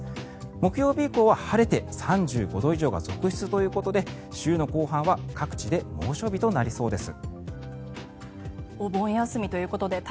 木曜日以降は晴れて３５度以上が続出ということで週の後半は各地で猛暑日となりそうです。